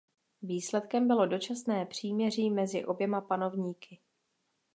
Výsledkem bylo dočasné příměří mezi oběma panovníky.